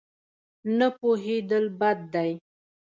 نه پوهېدل بد دی.